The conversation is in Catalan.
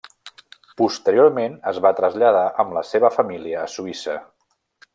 Posteriorment es va traslladar amb la seua família a Suïssa.